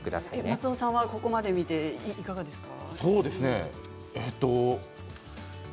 松尾さんはここまで見ていかがですか？